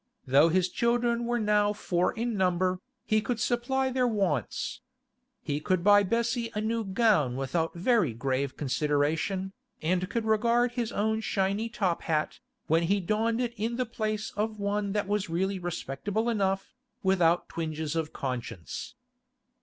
Though his children were now four in number, he could supply their wants. He could buy Bessie a new gown without very grave consideration, and could regard his own shiny top hat, when he donned it in the place of one that was really respectable enough, without twinges of conscience.